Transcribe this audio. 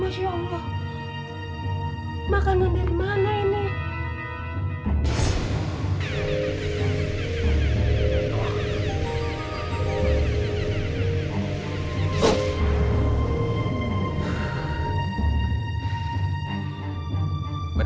enggak saya yang kekenyangan